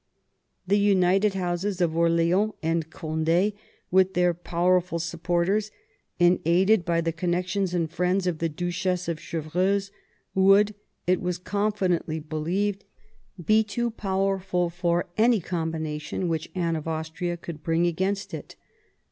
The united houses of Orleans and Cond^, with their powerful sup porters, and aided by the connections and friends of the Duchess of Chevreuse, would, it was confidently believed, be too powerful for any combination which Anne of Austria could bring against it.